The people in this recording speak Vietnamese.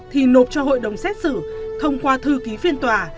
thì nộp cho hội đồng xét xử thông qua thư ký phiên tòa